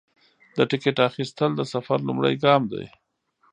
د ټکټ اخیستل د سفر لومړی ګام دی.